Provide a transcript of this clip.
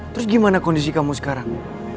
terus gimana kondisi kamu sekarang